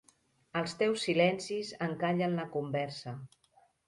Els teus silencis encallen la conversa!